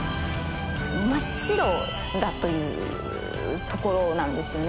真っ白だというところなんですよね。